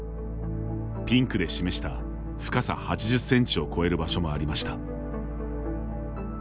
ピンクで示した深さ８０センチを超える場所もありました。